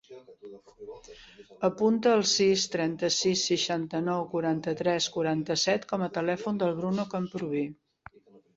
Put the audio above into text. Apunta el sis, trenta-sis, seixanta-nou, quaranta-tres, quaranta-set com a telèfon del Bruno Camprubi.